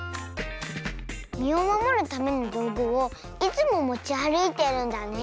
みをまもるためのどうぐをいつももちあるいてるんだね。